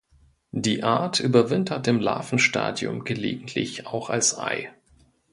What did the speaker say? Die Art überwintert im Larvenstadium, gelegentlich auch als Ei.